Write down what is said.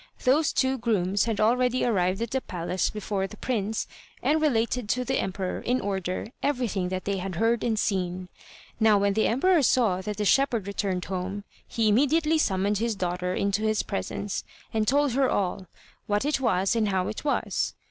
Those two grooms had already arrived at the palace before the prince, and related to the emperor in order everything that they had heard and seen. Now when the emperor saw that the shepherd returned home, he immediately summoned his daughter into his presence and told her all, what it was and how it was.